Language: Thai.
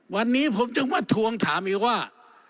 วันนี้ผมจึงมาทวงถามอีกว่า